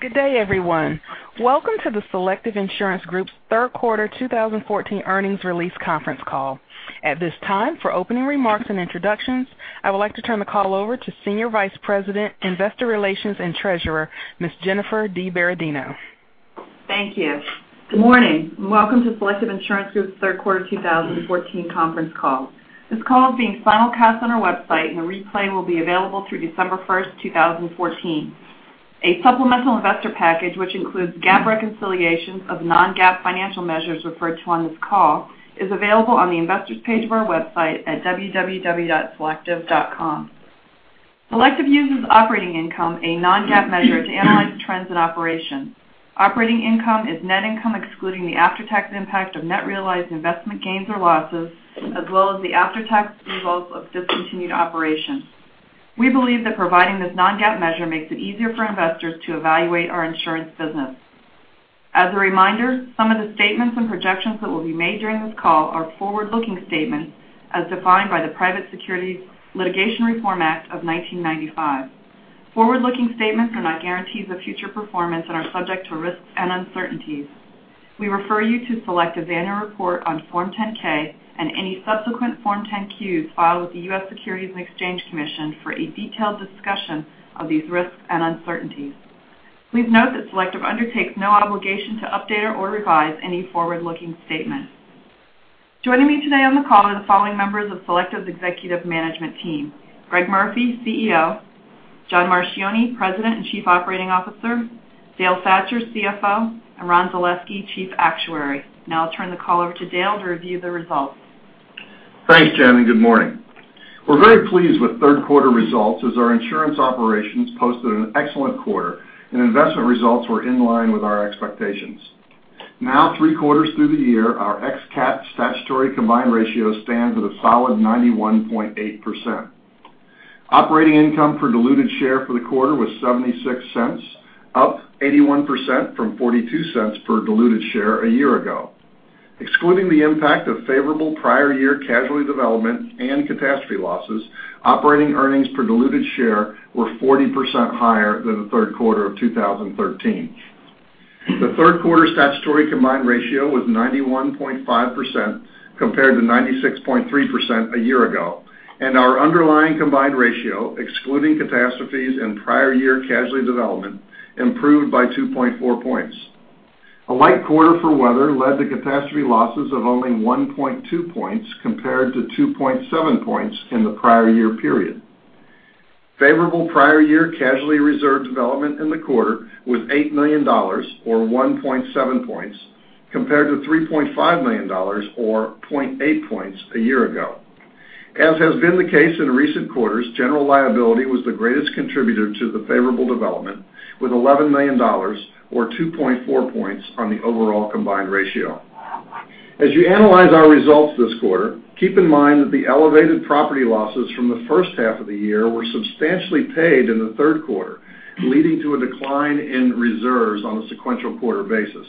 Good day, everyone. Welcome to the Selective Insurance Group's third quarter 2014 earnings release conference call. At this time, for opening remarks and introductions, I would like to turn the call over to Senior Vice President, Investor Relations and Treasurer, Ms. Jennifer DiBerardino. Thank you. Good morning. Welcome to Selective Insurance Group's third quarter 2014 conference call. This call is being simulcast on our website, and a replay will be available through December 1st, 2014. A supplemental investor package, which includes GAAP reconciliations of non-GAAP financial measures referred to on this call, is available on the investors page of our website at www.selective.com. Selective uses operating income, a non-GAAP measure, to analyze trends in operations. Operating income is net income excluding the after-tax impact of net realized investment gains or losses, as well as the after-tax results of discontinued operations. We believe that providing this non-GAAP measure makes it easier for investors to evaluate our insurance business. As a reminder, some of the statements and projections that will be made during this call are forward-looking statements as defined by the Private Securities Litigation Reform Act of 1995. Forward-looking statements are not guarantees of future performance and are subject to risks and uncertainties. We refer you to Selective's annual report on Form 10-K and any subsequent Form 10-Qs filed with the U.S. Securities and Exchange Commission for a detailed discussion of these risks and uncertainties. Please note that Selective undertakes no obligation to update or revise any forward-looking statements. Joining me today on the call are the following members of Selective's executive management team: Greg Murphy, CEO; John Marchioni, President and Chief Operating Officer; Dale Thatcher, CFO; and Ron Zaleski, Chief Actuary. I'll turn the call over to Dale to review the results. Thanks, Jen. Good morning. We're very pleased with third quarter results as our insurance operations posted an excellent quarter and investment results were in line with our expectations. Three quarters through the year, our ex cat statutory combined ratio stands at a solid 91.8%. Operating income per diluted share for the quarter was $0.76, up 81% from $0.42 per diluted share a year ago. Excluding the impact of favorable prior year casualty development and catastrophe losses, operating earnings per diluted share were 40% higher than the third quarter of 2013. The third quarter statutory combined ratio was 91.5% compared to 96.3% a year ago, and our underlying combined ratio, excluding catastrophes and prior year casualty development, improved by 2.4 points. A light quarter for weather led to catastrophe losses of only 1.2 points, compared to 2.7 points in the prior year period. Favorable prior year casualty reserve development in the quarter was $8 million, or 1.7 points, compared to $3.5 million, or 0.8 points, a year ago. As has been the case in recent quarters, General Liability was the greatest contributor to the favorable development, with $11 million, or 2.4 points, on the overall combined ratio. As you analyze our results this quarter, keep in mind that the elevated property losses from the first half of the year were substantially paid in the third quarter, leading to a decline in reserves on a sequential quarter basis.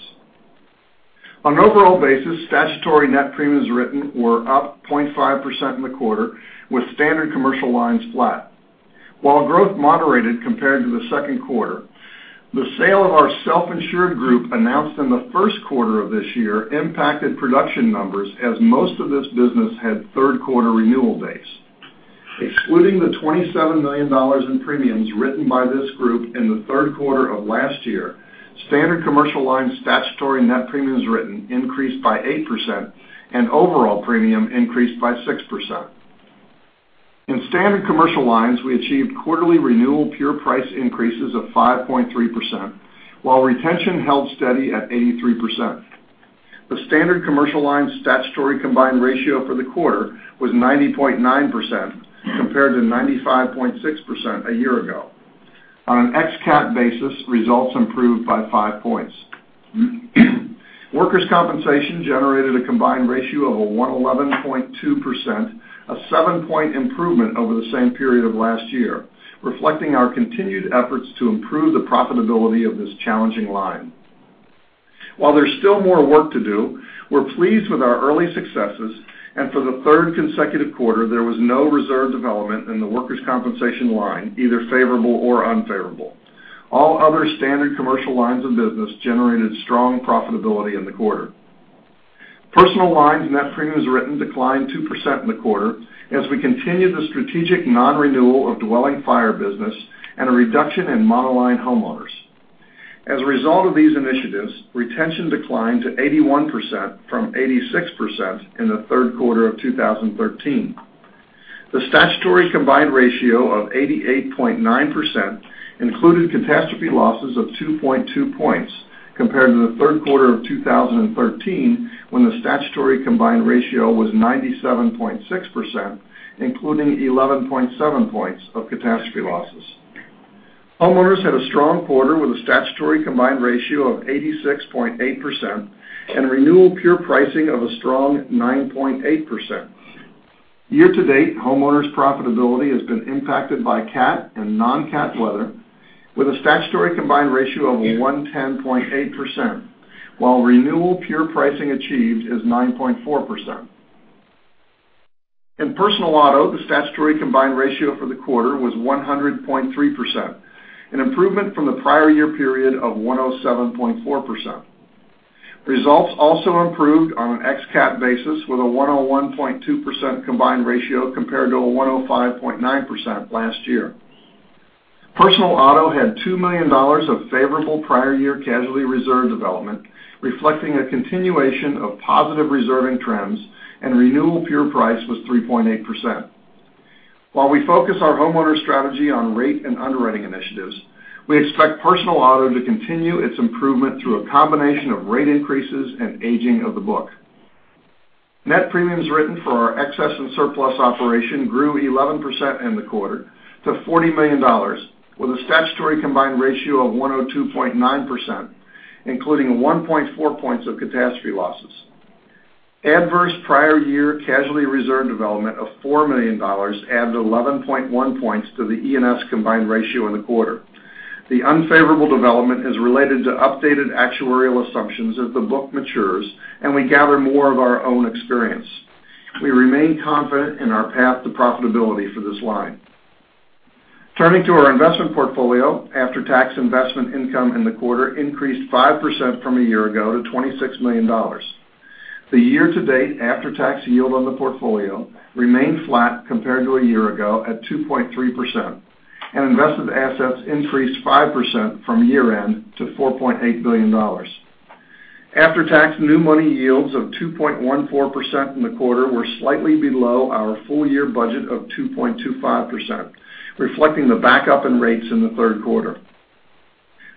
On an overall basis, statutory net premiums written were up 0.5% in the quarter, with Standard Commercial Lines flat. While growth moderated compared to the second quarter, the sale of our self-insured group announced in the first quarter of this year impacted production numbers as most of this business had third-quarter renewal dates. Excluding the $27 million in premiums written by this group in the third quarter of last year, Standard Commercial Lines statutory net premiums written increased by 8%, and overall premium increased by 6%. In Standard Commercial Lines, we achieved quarterly renewal pure price increases of 5.3%, while retention held steady at 83%. The Standard Commercial Lines statutory combined ratio for the quarter was 90.9% compared to 95.6% a year ago. On an ex cat basis, results improved by five points. Workers' Compensation generated a combined ratio of 111.2%, a seven-point improvement over the same period of last year, reflecting our continued efforts to improve the profitability of this challenging line. While there's still more work to do, we're pleased with our early successes, and for the third consecutive quarter, there was no reserve development in the Workers' Compensation line, either favorable or unfavorable. All other Standard Commercial Lines of business generated strong profitability in the quarter. Personal Lines net premiums written declined 2% in the quarter as we continued the strategic non-renewal of dwelling fire business and a reduction in monoline homeowners. As a result of these initiatives, retention declined to 81% from 86% in the third quarter of 2013. The statutory combined ratio of 88.9% included catastrophe losses of 2.2 points compared to the third quarter of 2013, when the statutory combined ratio was 97.6%, including 11.7 points of catastrophe losses. Homeowners had a strong quarter with a statutory combined ratio of 86.8% and a renewal pure pricing of a strong 9.8%. Year to date, homeowners' profitability has been impacted by cat and non-cat weather with a statutory combined ratio of 110.8%, while renewal pure pricing achieved is 9.4%. In Personal Auto, the statutory combined ratio for the quarter was 100.3%, an improvement from the prior year period of 107.4%. Results also improved on an ex-cat basis with a 101.2% combined ratio compared to a 105.9% last year. Personal Auto had $2 million of favorable prior year casualty reserve development, reflecting a continuation of positive reserving trends, and renewal pure price was 3.8%. While we focus our homeowner strategy on rate and underwriting initiatives, we expect Personal Auto to continue its improvement through a combination of rate increases and aging of the book. Net premiums written for our Excess and Surplus operation grew 11% in the quarter to $40 million, with a statutory combined ratio of 102.9%, including 1.4 points of catastrophe losses. Adverse prior year casualty reserve development of $4 million added 11.1 points to the E&S combined ratio in the quarter. The unfavorable development is related to updated actuarial assumptions as the book matures and we gather more of our own experience. We remain confident in our path to profitability for this line. Turning to our investment portfolio, after-tax investment income in the quarter increased 5% from a year ago to $26 million. The year-to-date after-tax yield on the portfolio remained flat compared to a year ago at 2.3%, and invested assets increased 5% from year-end to $4.8 billion. After-tax new money yields of 2.14% in the quarter were slightly below our full-year budget of 2.25%, reflecting the backup in rates in the third quarter.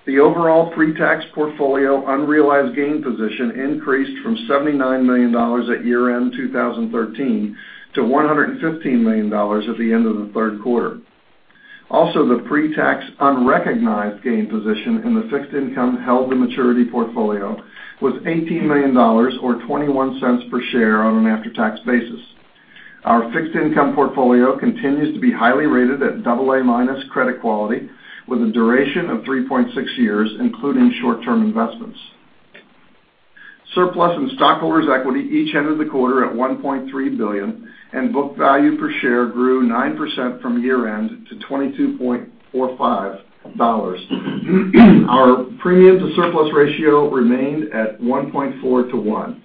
The overall pre-tax portfolio unrealized gain position increased from $79 million at year-end 2013 to $115 million at the end of the third quarter. The pre-tax unrecognized gain position in the fixed income held the maturity portfolio was $18 million, or $0.21 per share on an after-tax basis. Our fixed income portfolio continues to be highly rated at double A minus credit quality with a duration of 3.6 years, including short-term investments. Surplus and stockholders' equity each ended the quarter at $1.3 billion, and book value per share grew 9% from year-end to $22.45. Our premium to surplus ratio remained at 1.4 to one.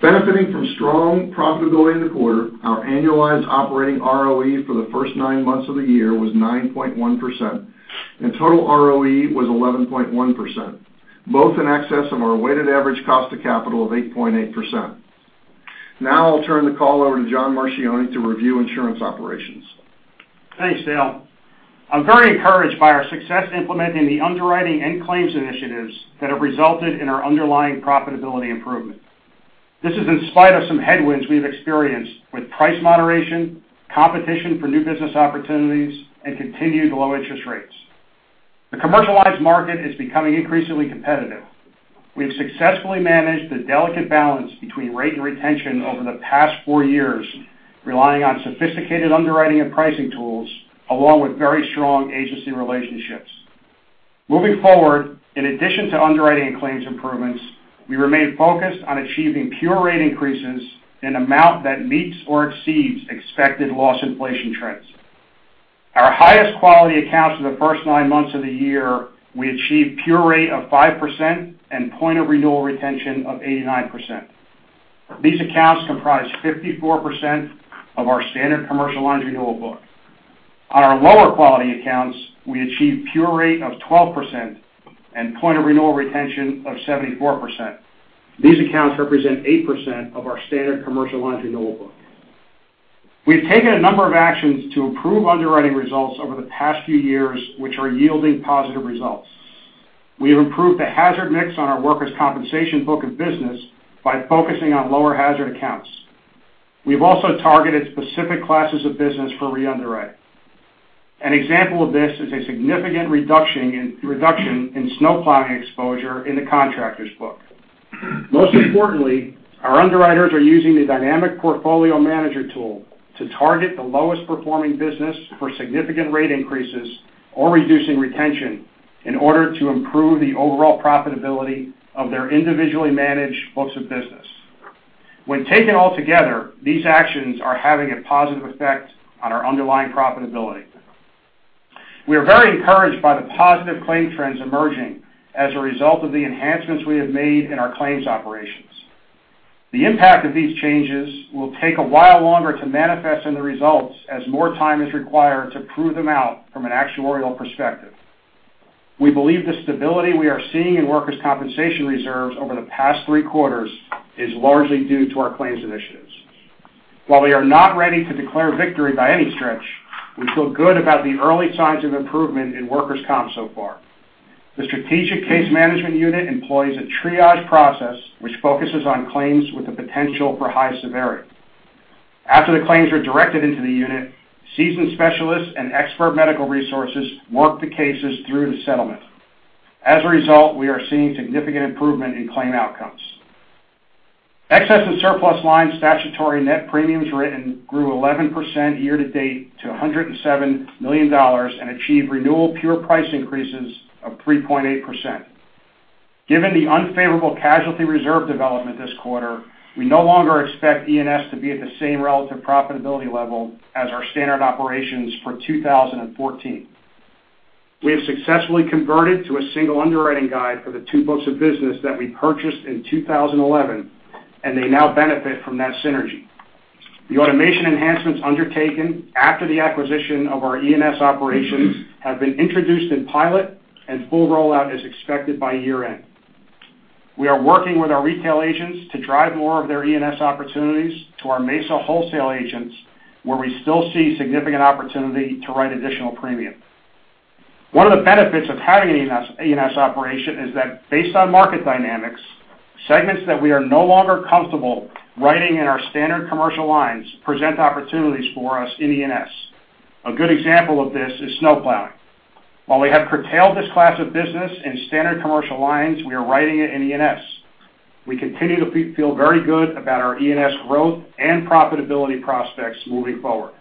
Benefiting from strong profitability in the quarter, our annualized operating ROE for the first nine months of the year was 9.1%, and total ROE was 11.1%, both in excess of our weighted average cost of capital of 8.8%. I'll turn the call over to John Marchioni to review insurance operations. Thanks, Dale. I'm very encouraged by our success in implementing the underwriting and claims initiatives that have resulted in our underlying profitability improvement. This is in spite of some headwinds we've experienced with price moderation, competition for new business opportunities, and continued low interest rates. The Commercial Lines market is becoming increasingly competitive. We've successfully managed the delicate balance between rate and retention over the past four years, relying on sophisticated underwriting and pricing tools along with very strong agency relationships. In addition to underwriting and claims improvements, we remain focused on achieving pure rate increases in amount that meets or exceeds expected loss inflation trends. Our highest quality accounts for the first nine months of the year, we achieved pure rate of 5% and point of renewal retention of 89%. These accounts comprise 54% of our Standard Commercial Lines renewal book. On our lower quality accounts, we achieved pure rate of 12% and point of renewal retention of 74%. These accounts represent 8% of our Standard Commercial Lines renewal book. We've taken a number of actions to improve underwriting results over the past few years, which are yielding positive results. We have improved the hazard mix on our Workers' Compensation book of business by focusing on lower hazard accounts. We've also targeted specific classes of business for re-underwrite. An example of this is a significant reduction in snow plowing exposure in the contractors book. Our underwriters are using the Dynamic Portfolio Manager tool to target the lowest performing business for significant rate increases or reducing retention in order to improve the overall profitability of their individually managed books of business. These actions are having a positive effect on our underlying profitability. We are very encouraged by the positive claim trends emerging as a result of the enhancements we have made in our claims operations. The impact of these changes will take a while longer to manifest in the results as more time is required to prove them out from an actuarial perspective. We believe the stability we are seeing in Workers' Compensation reserves over the past three quarters is largely due to our claims initiatives. While we are not ready to declare victory by any stretch, we feel good about the early signs of improvement in workers' comp so far. The strategic case management unit employs a triage process which focuses on claims with the potential for high severity. After the claims are directed into the unit, seasoned specialists and expert medical resources work the cases through to settlement. As a result, we are seeing significant improvement in claim outcomes. Excess and Surplus lines statutory net premiums written grew 11% year to date to $107 million and achieved renewal pure price increases of 3.8%. Given the unfavorable casualty reserve development this quarter, we no longer expect E&S to be at the same relative profitability level as our standard operations for 2014. We have successfully converted to a single underwriting guide for the two books of business that we purchased in 2011, and they now benefit from that synergy. The automation enhancements undertaken after the acquisition of our E&S operations have been introduced in pilot, and full rollout is expected by year-end. We are working with our retail agents to drive more of their E&S opportunities to our Mesa wholesale agents, where we still see significant opportunity to write additional premium. One of the benefits of having an E&S operation is that based on market dynamics, segments that we are no longer comfortable writing in our Standard Commercial Lines present opportunities for us in E&S. A good example of this is snowplowing. While we have curtailed this class of business in Standard Commercial Lines, we are writing it in E&S. We continue to feel very good about our E&S growth and profitability prospects moving forward.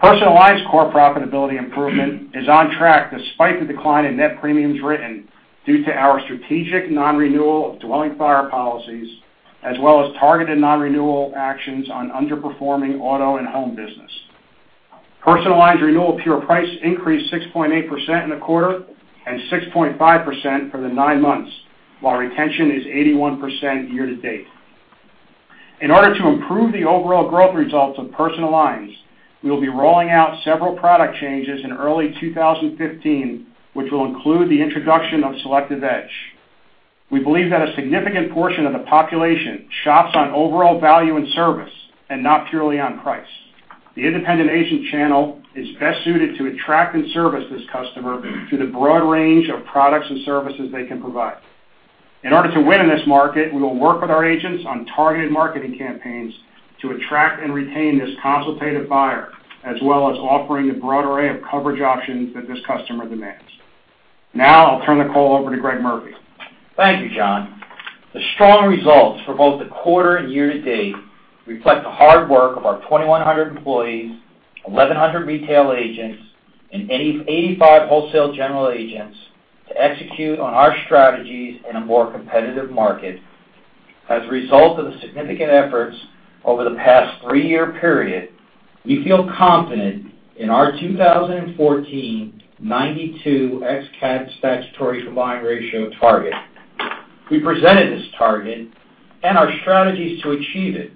Personal Lines core profitability improvement is on track despite the decline in net premiums written due to our strategic non-renewal of dwelling fire policies, as well as targeted non-renewal actions on underperforming auto and home business. Personal Lines renewal pure price increased 6.8% in the quarter and 6.5% for the nine months, while retention is 81% year to date. In order to improve the overall growth results of Personal Lines, we will be rolling out several product changes in early 2015, which will include the introduction of Selective Edge. We believe that a significant portion of the population shops on overall value and service and not purely on price. The independent agent channel is best suited to attract and service this customer through the broad range of products and services they can provide. In order to win in this market, we will work with our agents on targeted marketing campaigns to attract and retain this consultative buyer, as well as offering the broad array of coverage options that this customer demands. I'll turn the call over to Greg Murphy. Thank you, John. The strong results for both the quarter and year to date reflect the hard work of our 2,100 employees, 1,100 retail agents, and 85 wholesale general agents to execute on our strategies in a more competitive market. As a result of the significant efforts over the past three-year period, we feel confident in our 2014 92 x CAT statutory combined ratio target. We presented this target and our strategies to achieve it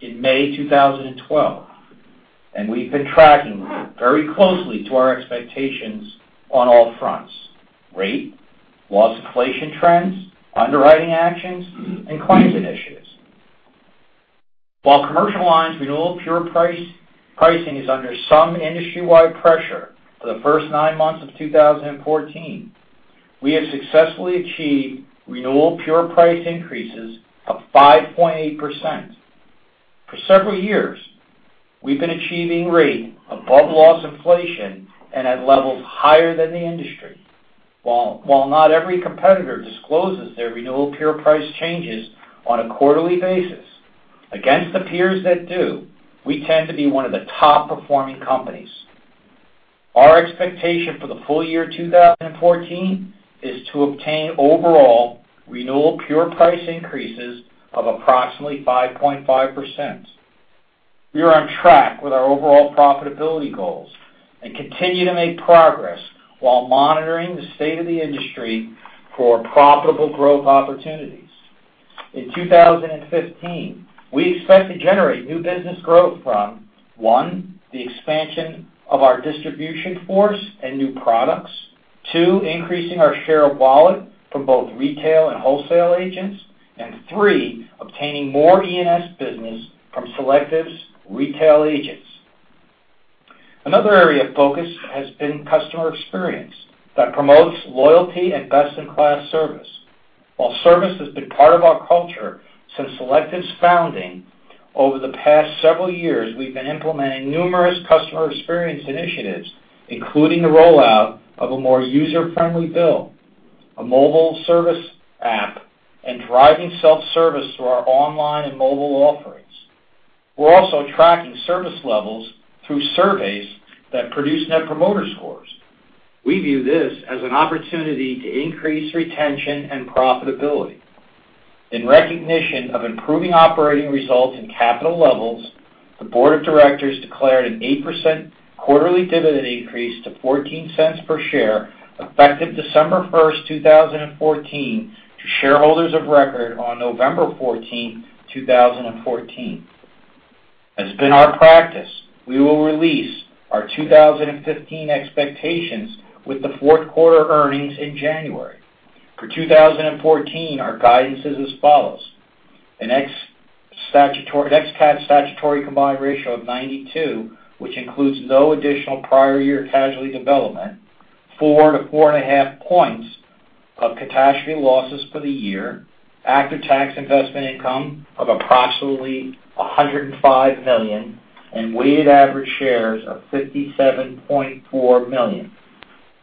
in May 2012, and we've been tracking very closely to our expectations on all fronts, rate, loss inflation trends, underwriting actions, and claims initiatives. While commercial lines renewal pure pricing is under some industry-wide pressure for the first nine months of 2014, we have successfully achieved renewal pure price increases of 5.8%. For several years, we've been achieving rate above loss inflation and at levels higher than the industry. While not every competitor discloses their renewal pure price changes on a quarterly basis, against the peers that do, we tend to be one of the top performing companies. Our expectation for the full year 2014 is to obtain overall renewal pure price increases of approximately 5.5%. We are on track with our overall profitability goals and continue to make progress while monitoring the state of the industry for profitable growth opportunities. In 2015, we expect to generate new business growth from, one, the expansion of our distribution force and new products. Two, increasing our share of wallet from both retail and wholesale agents. Three, obtaining more E&S business from Selective's retail agents. Another area of focus has been customer experience that promotes loyalty and best-in-class service. While service has been part of our culture since Selective's founding, over the past several years, we've been implementing numerous customer experience initiatives, including the rollout of a more user-friendly bill, a mobile service app, and driving self-service through our online and mobile offerings. We're also tracking service levels through surveys that produce Net Promoter Scores. We view this as an opportunity to increase retention and profitability. In recognition of improving operating results and capital levels, the board of directors declared an 8% quarterly dividend increase to $0.14 per share effective December 1st, 2014 to shareholders of record on November 14th, 2014. As been our practice, we will release our 2015 expectations with the fourth quarter earnings in January. For 2014, our guidance is as follows, an x CAT statutory combined ratio of 92, which includes no additional prior year casualty development, four to four and a half points of catastrophe losses for the year, after-tax investment income of approximately $105 million, and weighted average shares of 57.4 million.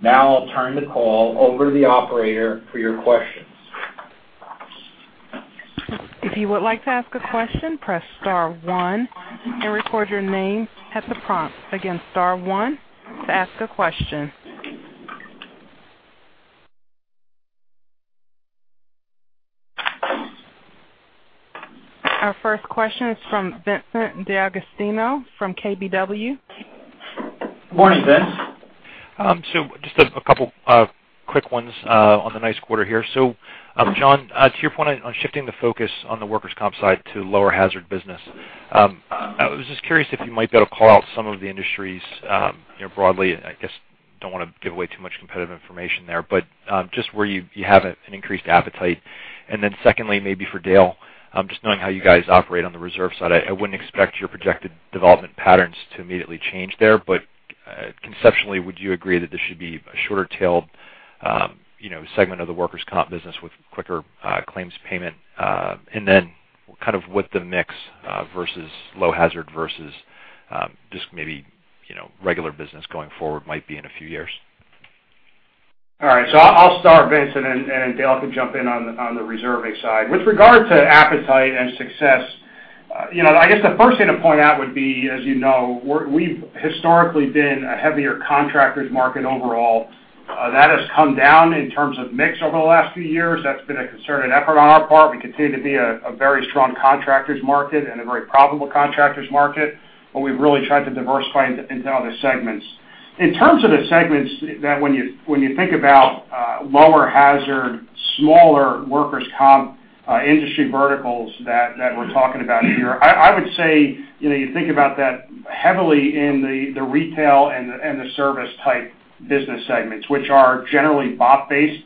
Now I'll turn the call over to the operator for your questions. If you would like to ask a question, press star one and record your name at the prompt. Again, star one to ask a question. Our first question is from Vincent D'Agostino from KBW. Good morning, Vince. Just a couple of quick ones on the nice quarter here. John, to your point on shifting the focus on the Workers' Comp side to lower hazard business, I was just curious if you might be able to call out some of the industries, broadly, I guess don't want to give away too much competitive information there, but just where you have an increased appetite. Secondly, maybe for Dale Thatcher, just knowing how you guys operate on the reserve side, I wouldn't expect your projected development patterns to immediately change there. Conceptually, would you agree that this should be a shorter tail segment of the Workers' Comp business with quicker claims payment? Kind of what the mix versus low hazard versus just maybe regular business going forward might be in a few years. All right. I'll start, Vince, and then Dale could jump in on the reserving side. With regard to appetite and success, I guess the first thing to point out would be, as you know, we've historically been a heavier contractors market overall. That has come down in terms of mix over the last few years. That's been a concerted effort on our part. We continue to be a very strong contractors market and a very profitable contractors market, but we've really tried to diversify into other segments. In terms of the segments that when you think about lower hazard, smaller workers' comp industry verticals that we're talking about here, I would say you think about that heavily in the retail and the service type business segments, which are generally BOP-based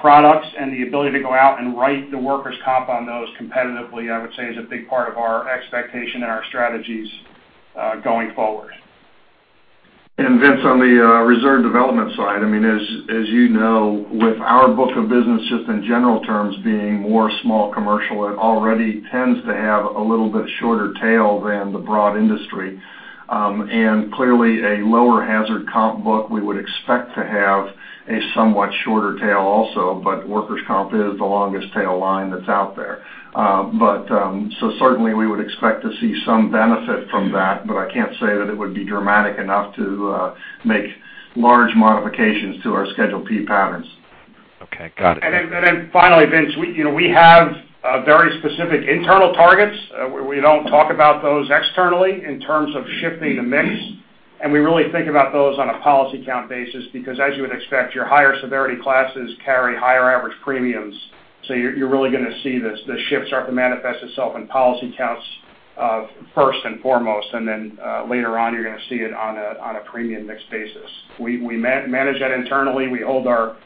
products, and the ability to go out and write the workers' comp on those competitively, I would say, is a big part of our expectation and our strategies going forward. Vince, on the reserve development side, as you know, with our book of business, just in general terms, being more small commercial, it already tends to have a little bit shorter tail than the broad industry. Clearly a lower hazard comp book we would expect to have a somewhat shorter tail also, but workers' comp is the longest tail line that's out there. Certainly we would expect to see some benefit from that, but I can't say that it would be dramatic enough to make large modifications to our Schedule P patterns. Okay. Got it. Finally, Vince, we have very specific internal targets. We don't talk about those externally in terms of shifting the mix, and we really think about those on a policy count basis, because as you would expect, your higher severity classes carry higher average premiums. You're really going to see the shift start to manifest itself in policy counts first and foremost, and then later on, you're going to see it on a premium mix basis. We manage that internally. We hold our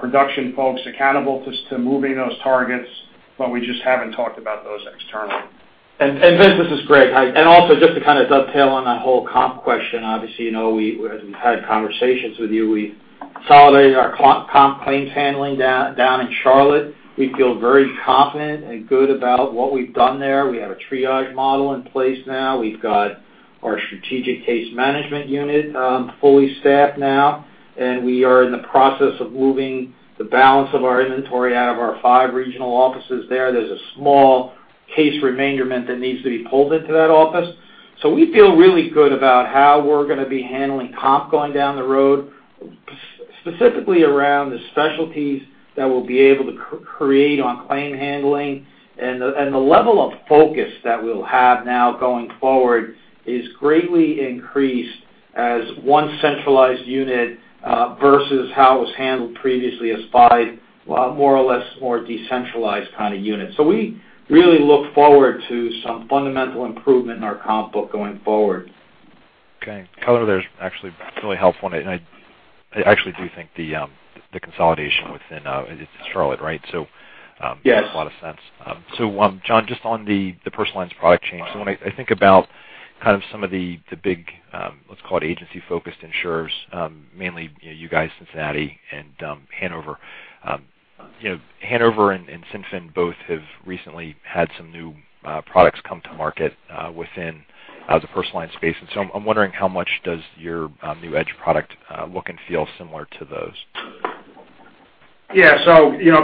production folks accountable to moving those targets, but we just haven't talked about those externally. Vince, this is Greg. Also just to kind of dovetail on that whole comp question, obviously, as we've had conversations with you, we consolidated our comp claims handling down in Charlotte. We feel very confident and good about what we've done there. We have a triage model in place now. We've got our strategic case management unit fully staffed now, and we are in the process of moving the balance of our inventory out of our five regional offices there. There's a small case remainder that needs to be pulled into that office. We feel really good about how we're going to be handling comp going down the road, specifically around the specialties that we'll be able to create on claim handling. The level of focus that we'll have now going forward is greatly increased as one centralized unit versus how it was handled previously as five, more or less, more decentralized kind of unit. We really look forward to some fundamental improvement in our comp book going forward. Okay. Color there is actually really helpful, and I actually do think the consolidation within Charlotte, right? Yes. Makes a lot of sense. John, just on the Personal Lines product change. When I think about kind of some of the big, let's call it agency-focused insurers, mainly you guys, Cincinnati, and Hanover. Hanover and CinFin both have recently had some new products come to market within the Personal Lines space. I'm wondering how much does your new The Selective Edge product look and feel similar to those?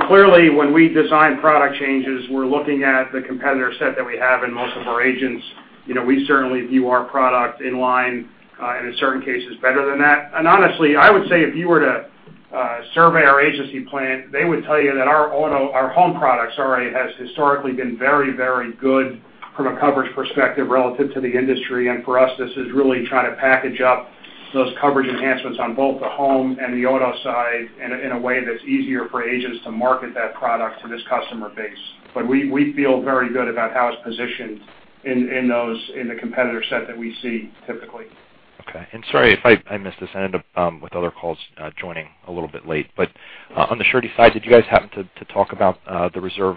Clearly when we design product changes, we're looking at the competitor set that we have in most of our agents. We certainly view our product in line, and in certain cases better than that. Honestly, I would say if you were to survey our agency plan, they would tell you that our home products already has historically been very good from a coverage perspective relative to the industry. For us, this is really trying to package up those coverage enhancements on both the home and the auto side in a way that's easier for agents to market that product to this customer base. We feel very good about how it's positioned in the competitor set that we see typically. Okay. Sorry if I missed this. I ended up with other calls joining a little bit late. On the surety side, did you guys happen to talk about the reserve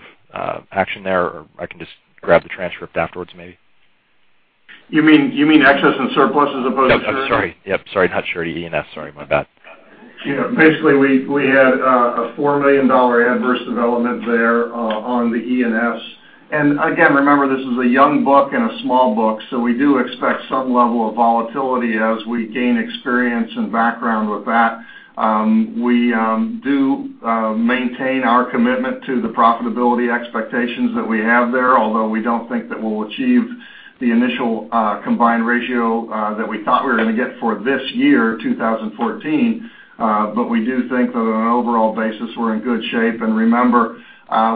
action there, or I can just grab the transcript afterwards maybe? You mean Excess and Surplus as opposed to surety? I'm sorry. Yep, sorry, not surety, E&S. Sorry about that. Yeah. Basically, we had a $4 million adverse development there on the E&S. Again, remember, this is a young book and a small book, so we do expect some level of volatility as we gain experience and background with that. We do maintain our commitment to the profitability expectations that we have there, although we don't think that we'll achieve the initial combined ratio that we thought we were going to get for this year, 2014. We do think that on an overall basis, we're in good shape. Remember,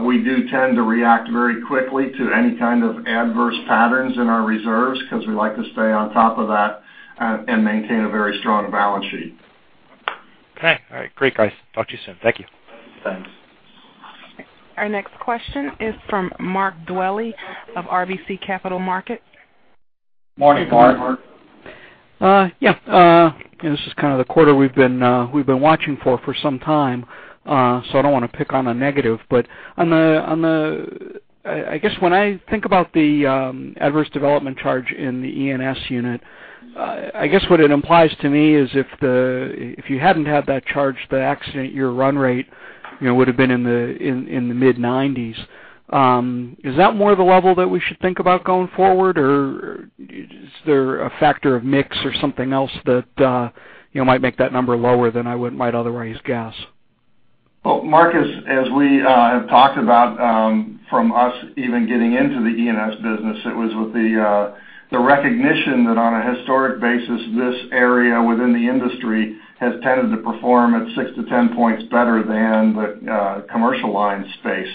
we do tend to react very quickly to any kind of adverse patterns in our reserves, because we like to stay on top of that and maintain a very strong balance sheet. Okay. All right. Great, guys. Talk to you soon. Thank you. Thanks. Our next question is from Mark Dwelle of RBC Capital Markets. Morning, Mark. Morning. Go ahead. This is kind of the quarter we've been watching for some time. I don't want to pick on a negative, but I guess when I think about the adverse development charge in the E&S unit, I guess what it implies to me is if you hadn't had that charge, the accident, your run rate would've been in the mid-90s. Is that more of the level that we should think about going forward, or is there a factor of mix or something else that might make that number lower than I might otherwise guess? Mark Dwelle, as we have talked about from us even getting into the E&S business, it was with the recognition that on a historic basis, this area within the industry has tended to perform at 6 to 10 points better than the commercial line space.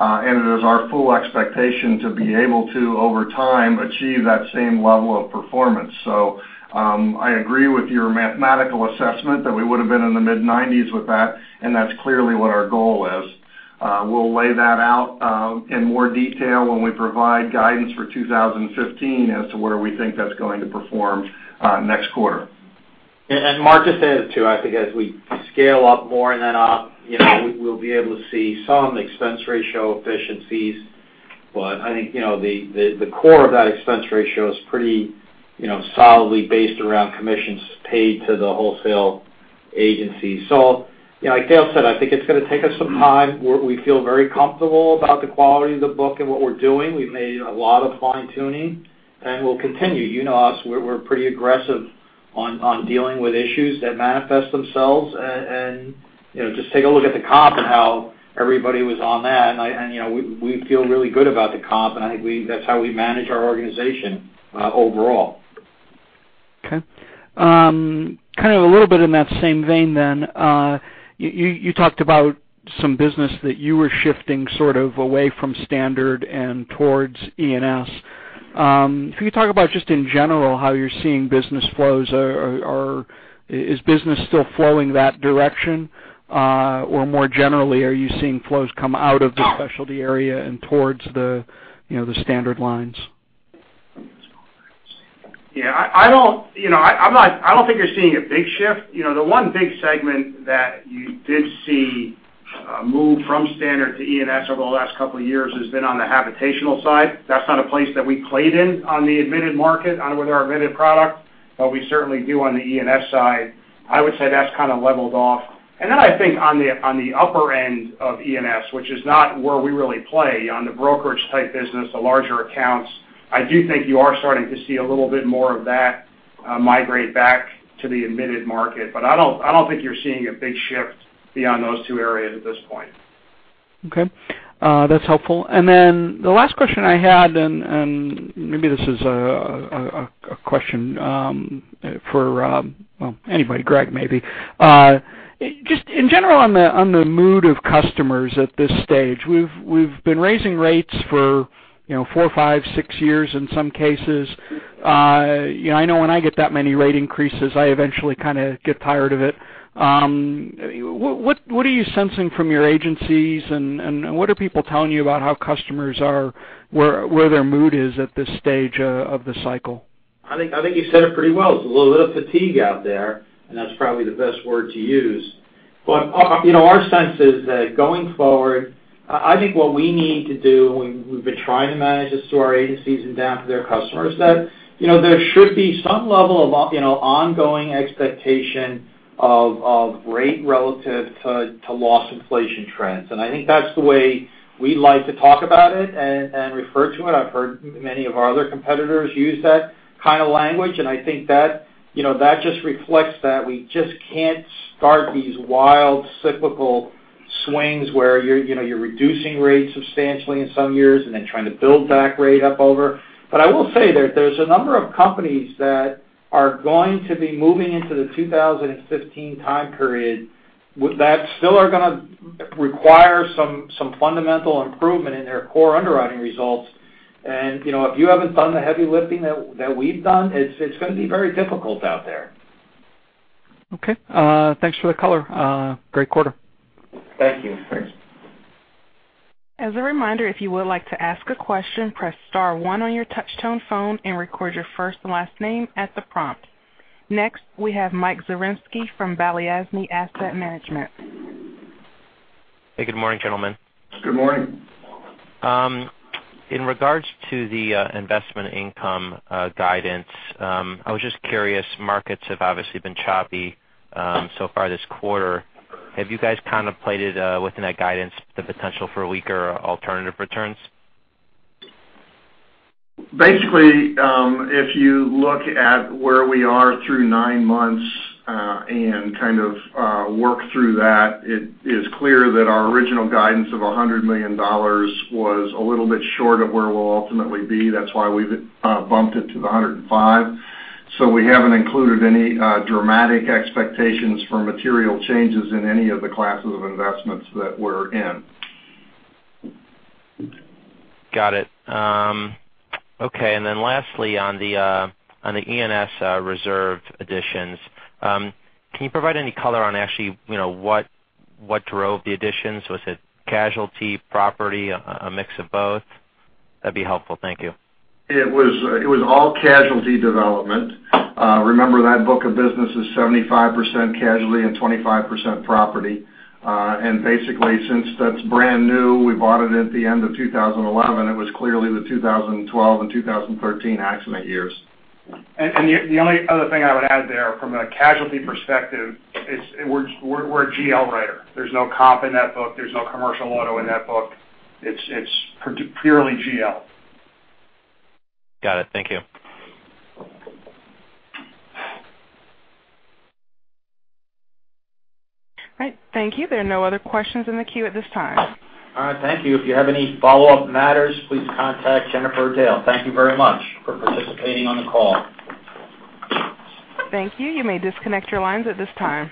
It is our full expectation to be able to, over time, achieve that same level of performance. I agree with your mathematical assessment that we would've been in the mid-90s with that, and that's clearly what our goal is. We'll lay that out in more detail when we provide guidance for 2015 as to where we think that's going to perform next quarter. Mark Dwelle, just to add to, I think as we scale up more in that op, we'll be able to see some expense ratio efficiencies. I think the core of that expense ratio is pretty solidly based around commissions paid to the wholesale agency. Like Dale Thatcher said, I think it's going to take us some time. We feel very comfortable about the quality of the book and what we're doing. We've made a lot of fine-tuning, and we'll continue. You know us, we're pretty aggressive on dealing with issues that manifest themselves. Just take a look at the comp and how everybody was on that. We feel really good about the comp, and I think that's how we manage our organization overall. Okay. Kind of a little bit in that same vein, you talked about some business that you were shifting sort of away from standard and towards E&S. If you could talk about just in general how you're seeing business flows, or is business still flowing that direction? Or more generally, are you seeing flows come out of the specialty area and towards the Standard Lines? Yeah. I don't think you're seeing a big shift. The one big segment that you did see move from standard to E&S over the last couple of years has been on the habitational side. That's not a place that we played in on the admitted market with our admitted product, but we certainly do on the E&S side. I would say that's kind of leveled off. Then I think on the upper end of E&S, which is not where we really play on the brokerage type business, the larger accounts, I do think you are starting to see a little bit more of that migrate back to the admitted market. I don't think you're seeing a big shift beyond those two areas at this point. Okay. That's helpful. Then the last question I had, and maybe this is a question for, well, anybody, Greg, maybe. Just in general on the mood of customers at this stage, we've been raising rates for four, five, six years in some cases. I know when I get that many rate increases, I eventually kind of get tired of it. What are you sensing from your agencies, and what are people telling you about how customers are, where their mood is at this stage of the cycle? I think you said it pretty well. There's a little bit of fatigue out there, and that's probably the best word to use. Our sense is that going forward, I think what we need to do, and we've been trying to manage this to our agencies and down to their customers, that there should be some level of ongoing expectation of rate relative to loss inflation trends. I think that's the way we like to talk about it and refer to it. I've heard many of our other competitors use that kind of language, and I think that just reflects that we just can't start these wild cyclical swings where you're reducing rates substantially in some years and then trying to build that rate up over. I will say that there's a number of companies that are going to be moving into the 2015 time period that still are going to require some fundamental improvement in their core underwriting results. If you haven't done the heavy lifting that we've done, it's going to be very difficult out there. Okay. Thanks for the color. Great quarter. Thank you. Thanks. As a reminder, if you would like to ask a question, press star one on your touchtone phone and record your first and last name at the prompt. Next, we have Mike Zaremski from Balyasny Asset Management. Hey, good morning, gentlemen. Good morning. In regards to the investment income guidance, I was just curious, markets have obviously been choppy so far this quarter. Have you guys contemplated within that guidance the potential for weaker alternative returns? Basically, if you look at where we are through nine months and kind of work through that, it is clear that our original guidance of $100 million was a little bit short of where we'll ultimately be. That's why we've bumped it to the $105 million. We haven't included any dramatic expectations for material changes in any of the classes of investments that we're in. Got it. Okay. Lastly, on the E&S reserve additions, can you provide any color on actually what drove the additions? Was it casualty, property, a mix of both? That'd be helpful. Thank you. It was all casualty development. Remember that book of business is 75% casualty and 25% property. Basically since that's brand new, we bought it at the end of 2011. It was clearly the 2012 and 2013 accident years. The only other thing I would add there from a casualty perspective is we're a GL writer. There's no comp in that book. There's no Commercial Auto in that book. It's purely GL. Got it. Thank you. All right. Thank you. There are no other questions in the queue at this time. All right. Thank you. If you have any follow-up matters, please contact Jennifer DiBerardino. Thank you very much for participating on the call. Thank you. You may disconnect your lines at this time.